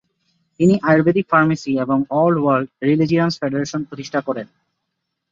তিনি আয়ুর্বেদিক ফার্মেসি এবং all world religions federation প্রতিষ্ঠা করেন।